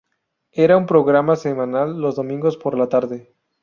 Era un programa semanal los domingos por la tarde.